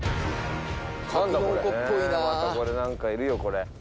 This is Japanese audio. またこれ何かいるよこれ。